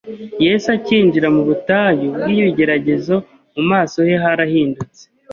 Yesu acyinjira mu butayu bw’ibigeragezo, mu maso he harahindutse.